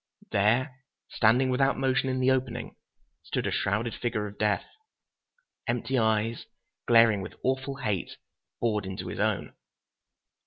There, standing without motion in the opening, stood a shrouded figure of death. Empty eyes, glaring with awful hate, bored into his own.